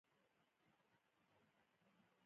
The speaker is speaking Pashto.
زما هډونه به در وړئ خپل وطن ته په پښتو ژبه.